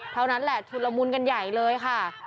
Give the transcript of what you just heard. เท่านั้นแหละชุดละมุนกันใหญ่เลยค่ะ